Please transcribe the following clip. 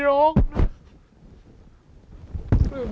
แล้วตอนนั้นภูไปร้อง